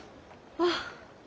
あっ。